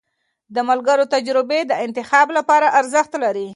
د ملګرو تجربې د انتخاب لپاره ارزښت لري.